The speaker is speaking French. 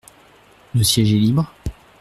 Le siège est libre ?